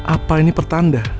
apa ini pertanda